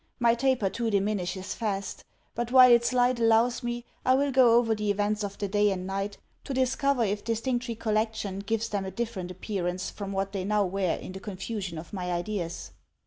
My taper too diminishes fast; but, while its light allows me, I will go over the events of the day and night, to discover if distinct recollection gives them a different appearance from what they now wear in the confusion of my ideas.